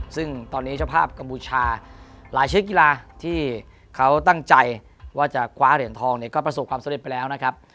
ซึ่งตอนนี้เจ้าภาพกัมพูชาหลายชิ้นกีฬาที่เขาตั้งใจว่าจะคว้าเหรียญทองเนี่ยก็ประสบความสำเร็จไปแล้วนะครับ